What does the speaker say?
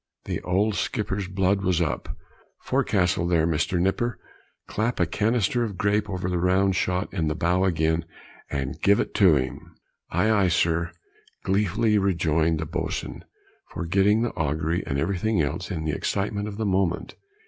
The old skipper's blood was up. "Forecastle there! Mr. Nipper, clap a canister of grape over the round shot in the bow gun, give it to him." "Ay, ay, sir!" gleefully rejoined the boatswain, forgetting the augury, and everything else, in the excitement of the moment.